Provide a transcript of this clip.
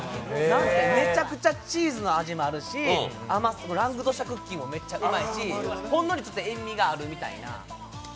めちゃくちゃチーズの味もあるしラングドシャクッキーもめちゃくちゃうまいしほんのり塩味があるみたいな。